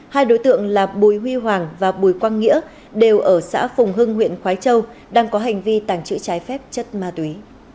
hai đối tượng là bùi huy hoàng và bùi quang nghĩa đều ở xã phùng hưng huyện khói châu đang có hành vi tàng trữ trái phép chất ma túy